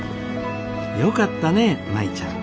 よかったね舞ちゃん。